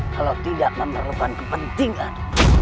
kalau tidak memerlukan kepentingan